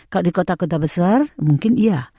kalau di kota kota besar mungkin iya